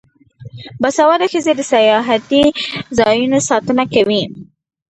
باسواده ښځې د سیاحتي ځایونو ساتنه کوي.